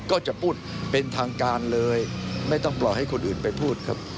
ก็จะพูดเป็นทางการเลยไม่ต้องปล่อยให้คนอื่นไปพูดครับ